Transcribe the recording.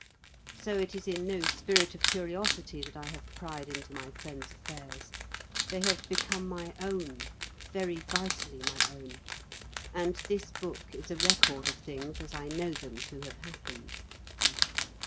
So it is in no spirit of curiosity that I have pried into my friends' affairs. They have become my own, very vitally my own; and this book is a record of things as I know them to have happened.